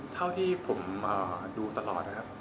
เท่าที่ผมดูตลอด